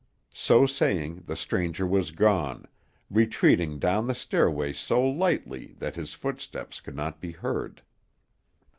So saying the stranger was gone, retreating down the stairway so lightly that his footsteps could not be heard.